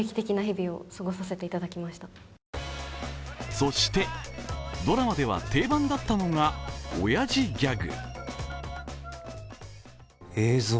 そして、ドラマでは定番だったのが親父ギャグ。